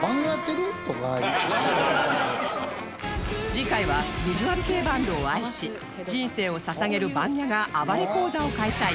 次回はヴィジュアル系バンドを愛し人生を捧げるバンギャが暴れ講座を開催